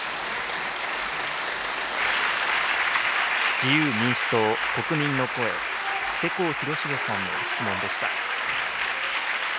自由民主党・国民の声、世耕弘成さんの質問でした。